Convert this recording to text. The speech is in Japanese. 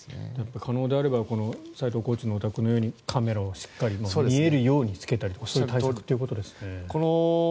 可能であれば斎藤コーチの自宅にカメラをしっかり見えるようにつけたりとかそういう対策ということですね。